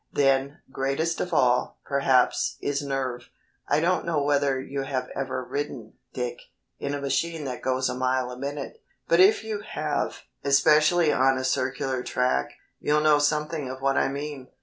Then, greatest of all, perhaps, is nerve. I don't know whether you have ever ridden, Dick, in a machine that goes a mile a minute, but if you have, especially on a circular track, you'll know something of what I mean.